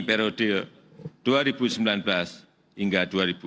periode dua ribu sembilan belas hingga dua ribu dua puluh